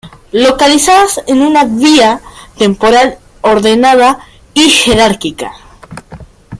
Localizadas en una vía temporal ordenada y jerárquica.